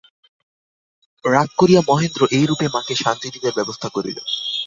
রাগ করিয়া মহেন্দ্র এইরূপে মাকে শান্তি দিবার ব্যবস্থা করিল।